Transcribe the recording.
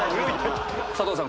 佐藤さん